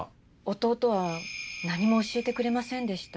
弟は何も教えてくれませんでした。